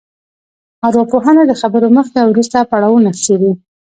ارواپوهنه د خبرو مخکې او وروسته پړاوونه څېړي